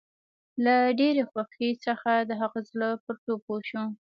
له ډېرې خوښۍ څخه د هغه زړه پر ټوپو شو